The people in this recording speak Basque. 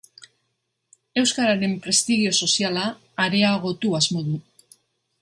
Euskararen prestigio soziala areagotu asmo du.